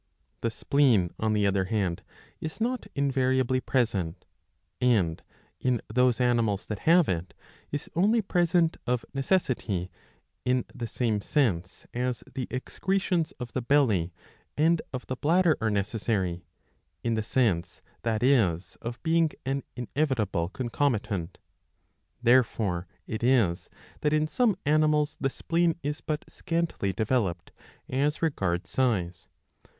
The spleen on the other hand is not invariably present ; and, in those animals that have it, is only present of necessity in the same sense as the excretions of the belly and of the bladder are necessary, in the sense that is of being an inevitable concomitant. Therefore it is that in some animals the spleen is but scantily developed as regards size.